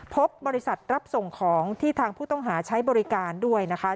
พบบริษัทรับส่งของที่ทางผู้ต้องหาใช้บริการด้วยนะคะ